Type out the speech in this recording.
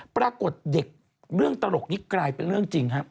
ปรากฏเด็กเรื่องตลกนี้กลายเป็นเรื่องจริงครับ